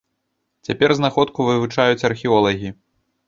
Цяпер знаходку вывучаюць археолагі.